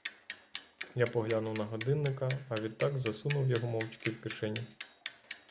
Я поглянув на годинника, а відтак засунув його мовчки в кишеню.!